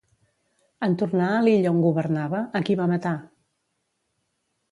En tornar a l'illa on governava, a qui va matar?